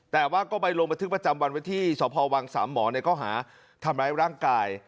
แต่ว่าก็ไปลงบันทึกประจำวันไว้ที่สพวังสามหมอในข้อหาทำร้ายร่างกาย